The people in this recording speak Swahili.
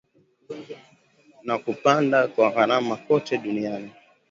na kupanda kwa gharama kote duniani